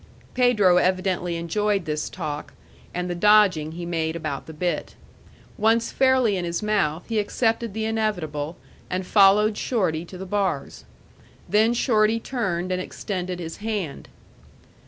Pedro evidently enjoyed this talk, and the dodging he made about the bit. Once fairly in his mouth, he accepted the inevitable, and followed Shorty to the bars. Then Shorty turned and extended his hand.